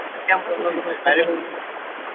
রান্নাঘরের অগ্নি ভালও নয়, মন্দও নয়।